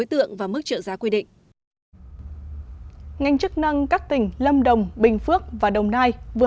tượng và mức trợ giá quy định ngành chức năng các tỉnh lâm đồng bình phước và đồng nai vừa